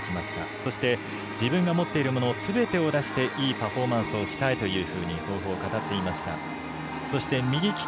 そして自分が持っているものすべてを出していいパフォーマンスをしたいというふうに抱負を語っていました。